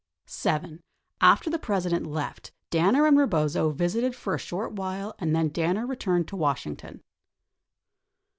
7. After the President left, Danner and Eebozo visited for a short while and then Danner returned to Washington.